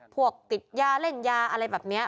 พวกติดยาเล่นยาอะไรแบบนี้